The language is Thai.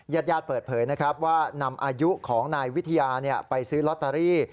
ญาติญาติเปิดเผยนะครับว่านำอายุของนายวิทยาไปซื้อลอตเตอรี่